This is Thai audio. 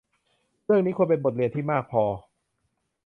เรื่องนี้ควรเป็นบทเรียนที่มากพอ